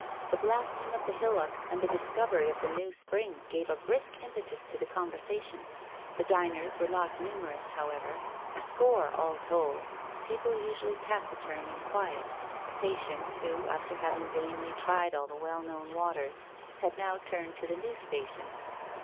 The blasting of the hillock and the discovery of the new spring gave a brisk impetus to conversation. The diners were not numerous, however, a score all told, people usually taciturn and quiet, patients who, after having vainly tried all the well known waters, had now turned to the new stations.